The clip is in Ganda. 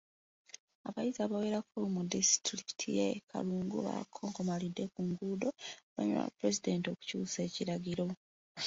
Abayizi abawerako mu disitulikiti y’e Kalungu bakonkomalidde ku nguudo oluvannyuma lwa Pulezidenti okuyisa ekiragiro.